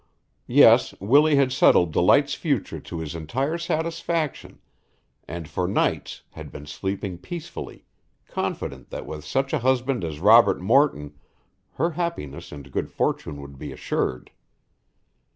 Yes, Willie had settled Delight's future to his entire satisfaction and for nights had been sleeping peacefully, confident that with such a husband as Robert Morton her happiness and good fortune would be assured.